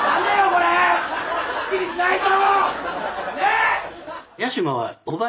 これきっちりしないと。